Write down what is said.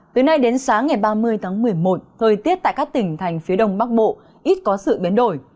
từ nay đến sáng ngày ba mươi tháng một mươi một thời tiết tại các tỉnh thành phía đông bắc bộ ít có sự biến đổi